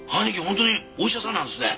本当にお医者さんなんですね。